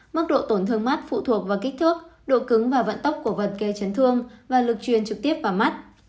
mức độ tổn thương mắt phụ thuộc vào kích thước độ cứng và vận tốc của vật gây chấn thương và lực truyền trực tiếp vào mắt